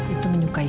itu menyukai kamu kan